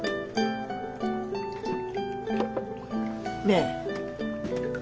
ねえ。